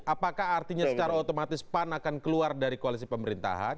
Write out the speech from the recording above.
apakah artinya secara otomatis pan akan keluar dari koalisi pemerintahan